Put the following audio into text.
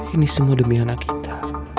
ini semua demi anak kita